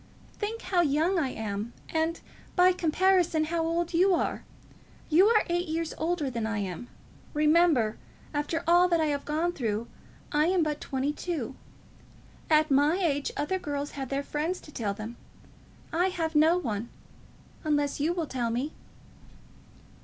"Think how young I am, and, by comparison, how old you are. You are eight years older than I am. Remember; after all that I have gone through, I am but twenty two. At my age other girls have their friends to tell them. I have no one, unless you will tell me."